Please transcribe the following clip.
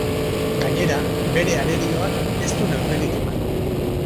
Gainera, bere arerioak ez du neurririk eman.